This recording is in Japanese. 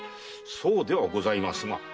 そうではございますが。